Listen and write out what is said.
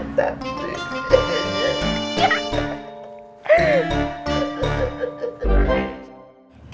kita masuk mobil yuk